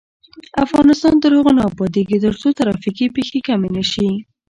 افغانستان تر هغو نه ابادیږي، ترڅو ترافیکي پیښې کمې نشي.